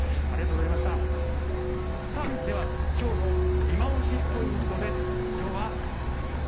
きょうのいまオシポイントです。